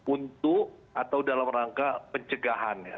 untuk atau dalam rangka pencegahan ya